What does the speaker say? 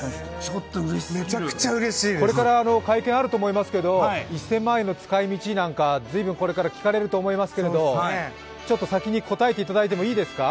これから会見あると思いますけど１０００万円の使い道なんてこれから聞かれると思いますけど聞いていいですか？